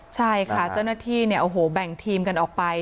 เจ้าหน้าที่แบ่งทีมกันออกไป